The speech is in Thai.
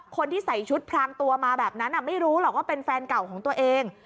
คนที่ใส่ชุดพรางตัวมาแบบนั้นไม่รู้หรอกว่าเป็นแฟนเก่าของตัวเอง